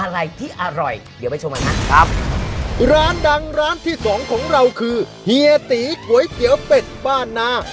ร้านดังร้านที่สองของเราคือเฮียตีก๋วยเตี๋ยวเป็ดบ้านนา